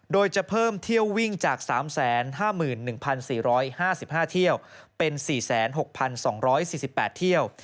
โดยจะเพิ่มเที่ยววิ่งจาก๓๕๑๔๕๕เที่ยวเป็น๔๖๒๔๘เที่ยว